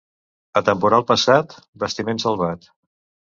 A temporal passat, bastiment salvat.